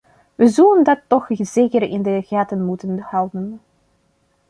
We zullen dat toch zeker in de gaten moeten houden.